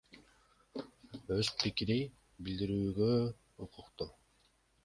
Өз пикирин билдирүүгө укуктуу.